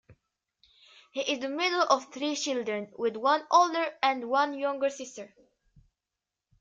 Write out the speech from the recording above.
He is the middle of three children with one older and one younger sister.